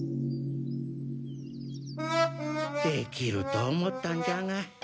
できると思ったんじゃが。